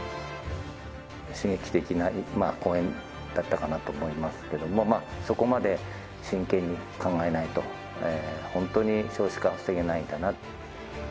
刺激的な講演だったかなと思いますけれども、そこまで真剣に考えないと、本当に少子化は防げないんだなと。